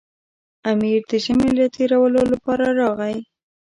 امیر د ژمي له تېرولو لپاره راغی.